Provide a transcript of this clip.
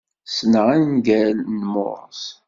Ssneɣ angal n Morse.